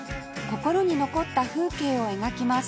心に残った風景を描きます